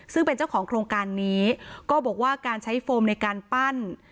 ซึ่งเป็นเจ้าของโครงการนี้ก็บอกว่าการใช้โฟมในการปั้น